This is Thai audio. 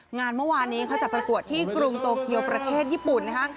งานเมื่อวานนี้เขาจะประกวดที่กรุงโตเกียวประเทศญี่ปุ่นนะคะ